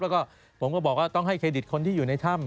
แล้วก็ผมก็บอกว่าต้องให้เครดิตคนที่อยู่ในถ้ำ